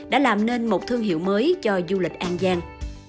đã làm nên một thương hiệu mới cho du lịch an giang